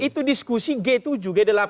itu diskusi g tujuh g